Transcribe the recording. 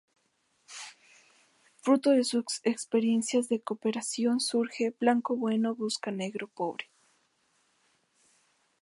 Fruto de sus experiencias de cooperación surge "Blanco bueno busca negro pobre.